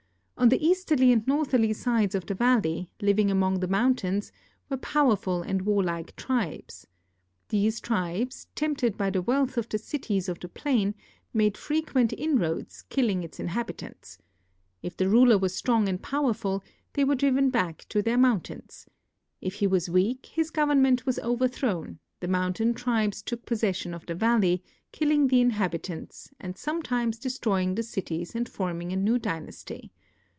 On the easterly and northerly sides of the valley, living among the mountains, were powerful and warlike tribes. These tribes, tempted by the wealth of the cities of the plain, made frequent inroads, killing its inhabitants. If the ruler was strong and powerful, they were driven back to their mountains. If he was weak, his government was over thrown ; the mountain tribes took possession of the valley, kill ing the inhabitants, and sometimes destroying the cities and forming a new dynasty.